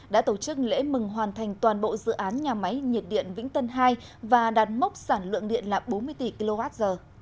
đã tổ chức lễ mừng hoàn thành toàn bộ dự án nhà máy nhiệt điện vĩnh tân hai và đạt mốc sản lượng điện là bốn mươi tỷ kwh